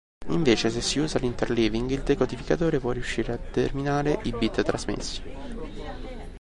Invece, se si usa l'interleaving, il decodificatore può riuscire a determinare i bit trasmessi.